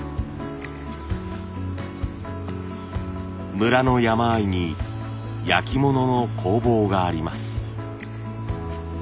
村の山あいに焼き物の工房があります。